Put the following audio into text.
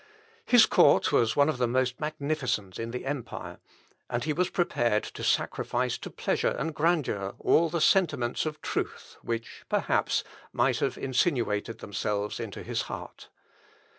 His court was one of the most magnificent in the empire, and he was prepared to sacrifice to pleasure and grandeur all the sentiments of truth which, perhaps, might have insinuated themselves into his heart.